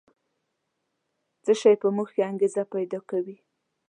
څه شی په موږ کې انګېزه پیدا کوي؟